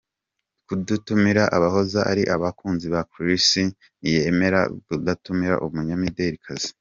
kudatumira abahoze ari abakunzi be Chris niyemera kudatumira umunyamidelikazi.